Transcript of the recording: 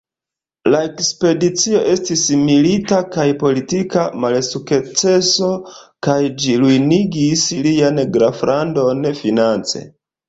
La ekspedicio estis milita kaj politika malsukceso, kaj ĝi ruinigis lian Graflandon finance.